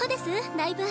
ライブ。